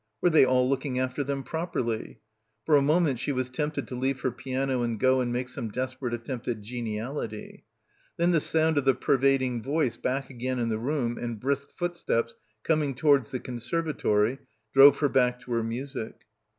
Were they all looking after them properly? For a moment she was tempted to leave her piano and go and make some desperate attempt at geniality. Then the sound of the pervading voice back again in the room and brisk footsteps coming to wards the conservatory drove her back to her music.